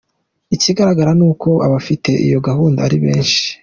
Ikigaragara ni uko abafite iyo gahunda ari benshi:.